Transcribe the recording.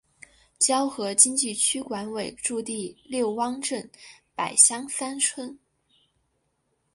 胶河经济区管委驻地六汪镇柏乡三村。